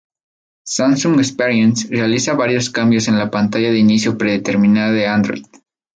Samsung Experience realiza varios cambios en la pantalla de inicio predeterminada de Android.